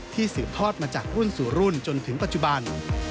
สืบทอดมาจากรุ่นสู่รุ่นจนถึงปัจจุบัน